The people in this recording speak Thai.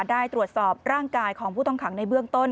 ได้ตรวจสอบร่างกายของผู้ต้องขังในเบื้องต้น